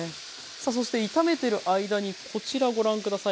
そして炒めてる間にこちらご覧下さい。